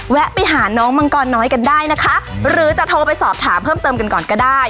ไปหาน้องมังกรน้อยกันได้นะคะหรือจะโทรไปสอบถามเพิ่มเติมกันก่อนก็ได้